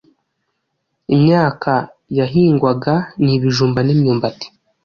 Imyaka yahingwaga ni ibijumba n'imyumbati.